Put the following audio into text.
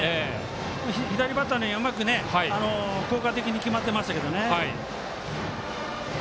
左バッターにはうまく効果的に決まってましたが。